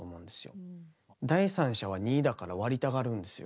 第三者は２だから割りたがるんですよ。